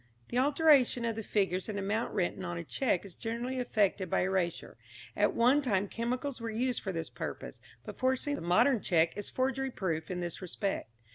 The alteration of the figures and amount written on a cheque is generally effected by erasure. At one time chemicals were used for this purpose, but fortunately the modern cheque is forgery proof in this respect.